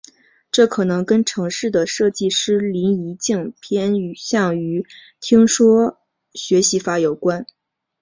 这可能跟程式的设计者林宜敬偏向于听说学习法有关。